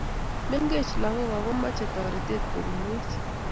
Mengech lagok akomache toretet kopunwech